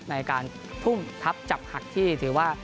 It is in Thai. ในการพุ่งทับจับหักที่ถือว่า